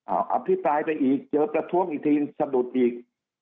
เอาอภิปรายไปอีกเจอประท้วงอีกทีสะดุดอีก